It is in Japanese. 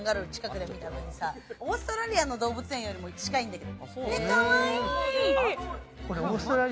オーストラリアの動物園より近いんだけど。